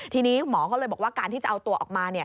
ทีนี้หมอก็เลยบอกว่าการที่จะเอาตัวออกมา